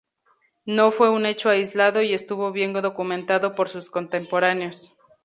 No fue un hecho aislado y estuvo bien documentado por sus contemporáneos.